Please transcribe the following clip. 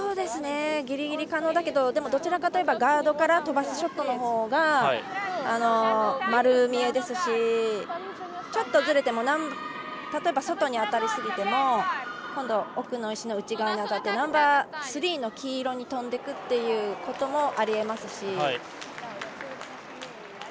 ギリギリ可能だけどでも、どちらかというとガードから飛ばすショットのほうが丸見えですし、ちょっとずれても例えば外に当たりすぎても今度、奥の石の内側に当たってナンバースリーの黄色に飛んでいくっていうこともありえますし。